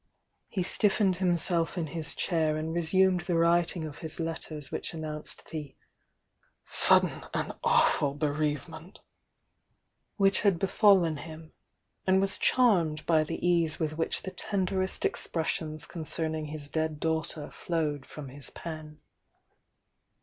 He stiffened himself in his chair and resumed the writing of his letters which announced the "sud den and awful bereavement" which had befallen him, and was charmed by the ease with which the tenderest expressions concerning his dead daughter flowed from his pen.